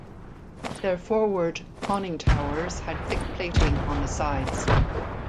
Their forward conning towers had thick plating on the sides.